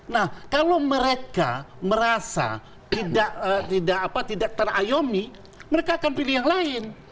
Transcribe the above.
nah kalau mereka merasa tidak terayomi mereka akan pilih yang lain